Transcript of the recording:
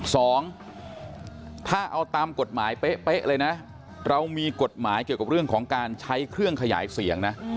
สองถ้าเอาตามกฎหมายเป๊ะเลยนะเรามีกฎหมายเกี่ยวกับเรื่องของการใช้เครื่องขยายเสียงนะ